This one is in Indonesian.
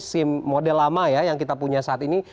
sim model lama ya yang kita punya saat ini